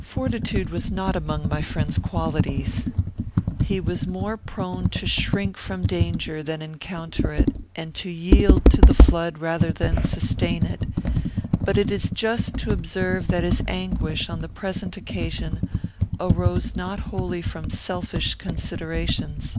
Fortitude was not among my friend's qualities. He was more prone to shrink from danger than encounter it, and to yield to the flood rather than sustain it; but it is just to observe that his anguish, on the present occasion, arose not wholly from selfish considerations.